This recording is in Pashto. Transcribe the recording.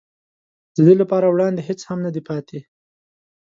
د ده لپاره وړاندې هېڅ هم نه دي پاتې.